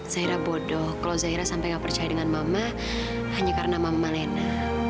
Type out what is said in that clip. zaira bodoh kalau zaira sampai nggak percaya dengan mama hanya karena mama lena